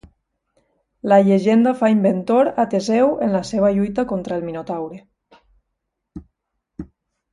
La llegenda fa inventor a Teseu en la seva lluita contra el Minotaure.